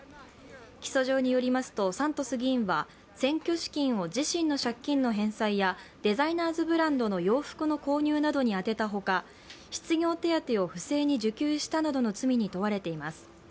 起訴状によりますと、サントス議員は選挙資金を自身の借金の返済やデザイナーズブランドの洋服の購入などに充てたほか失業手当を不正に受給したなどの罪に問われています。